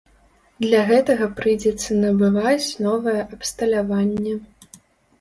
Для гэтага прыйдзецца набываць новае абсталяванне.